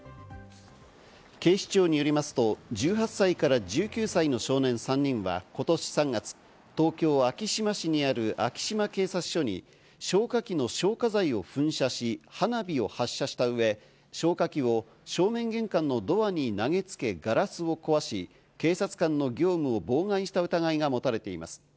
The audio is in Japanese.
警視庁によりますと、１８歳から１９歳の少年３人はことし３月、東京・昭島市にある昭島警察署に消火器の消火剤を噴射し、花火を発射した上、消火器を正面玄関のドアに投げつけ、ガラスを壊し、警察官の業務を妨害した疑いが持たれています。